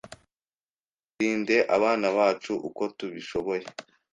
muze turinde abana bacu uko tubishoboye